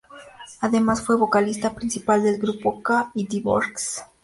Además fue vocalista principal del grupo 'K y The Boxers'.